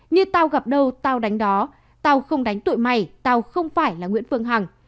như tao gặp đâu tao đánh đó tao không đánh tụi mày tao không phải là nguyễn phương hằng